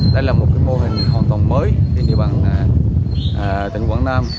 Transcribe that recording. đây là một mô hình hoàn toàn mới trên địa bàn tỉnh quảng nam